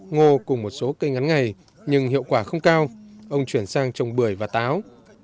ngô cùng một số cây ngắn ngày nhưng hiệu quả không cao ông chuyển sang trồng bưởi và táo